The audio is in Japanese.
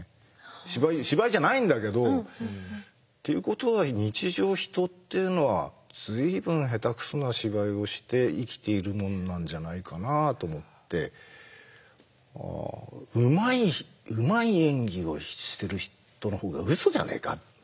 芝居芝居じゃないんだけど。ということは日常人っていうのは随分下手くそな芝居をして生きているもんなんじゃないかなと思ってうまい演技をしてる人のほうがうそじゃねえか？